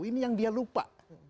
ini yang dia lupa